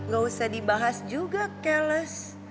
gak usah dibahas juga cales